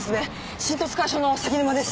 新十津川署の鷺沼です。